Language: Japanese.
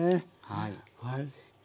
はい。